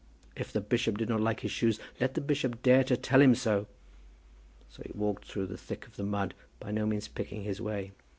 If the bishop did not like his shoes, let the bishop dare to tell him so! So he walked on through the thick of the mud, by no means picking his way.